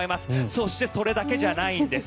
そしてそれだけじゃないんです。